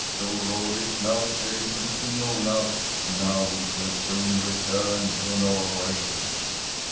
Storrade is now sailing to King Olaf. Now we shall soon return to Norway.'